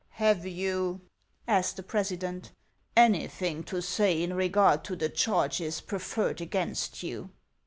" Have you," asked the president, " anything to say in regard to the charges preferred against you